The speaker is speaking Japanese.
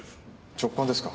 直感ですか？